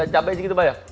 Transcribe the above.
cabai segitu bayar